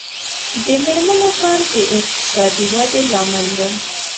د میرمنو کار د اقتصادي ودې لامل دی.